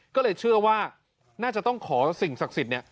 ก็เลยเชื่อว่าน่าจะต้องขอสิ่งศักดิ์สิทธิ์เนี่ย